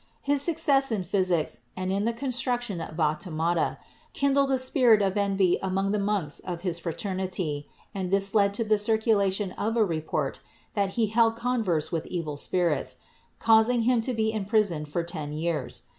His success in physics and in the construction of automata kindled a spirit of envy among the monks of his fraternity, and this led to the circulation of a report that he held converse with evil spirits, causing him to be imprisoned for ten years.